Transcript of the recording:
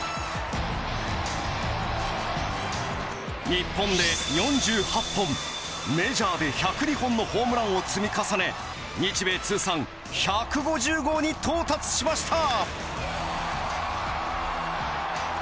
日本で４８本メジャーで１０２本のホームランを積み重ね日米通算１５０号に到達しました！